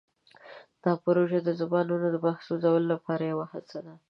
دا پروژه د زبانونو د محفوظولو لپاره یوه هڅه ده.